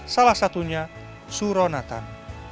salah satunya suronatan